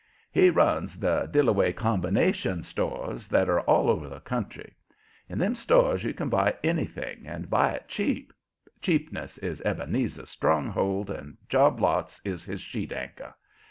He runs the "Dillaway Combination Stores" that are all over the country. In them stores you can buy anything and buy it cheap cheapness is Ebenezer's stronghold and job lots is his sheet anchor.